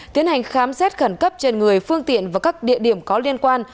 tiến hành khám xét khẩn cấp trên người phương tiện và các địa điểm có liên quan